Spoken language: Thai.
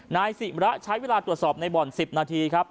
นายศิมระใช้เวลาตรวจสอบในบ่อน๑๐นาทีครับ